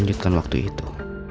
bukan waktu itu